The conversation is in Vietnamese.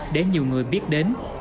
để nhiều người biết đến